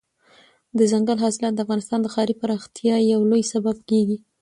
دځنګل حاصلات د افغانستان د ښاري پراختیا یو لوی سبب کېږي.